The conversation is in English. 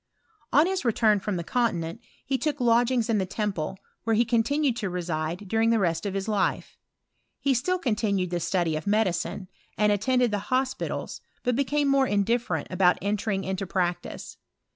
On his return from the continent, he took lodg ings in the Temple, where he continued to reside during the rest of his life. He still continued the study of medicine, and attended the hospitals, but became more indifferent about entering into prac tice.